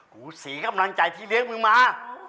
กูศรีกำลังใจที่เลี้ยงมึงมา